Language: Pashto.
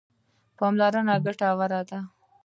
پاملرنه ګټوره ده.